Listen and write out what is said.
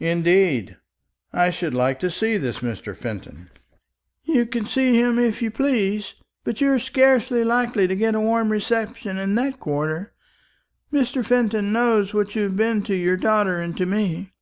"Indeed! I should like to see this Mr. Fenton." "You can see him if you please; but you are scarcely likely to get a warm reception in that quarter. Mr. Fenton knows what you have been to your daughter and to me."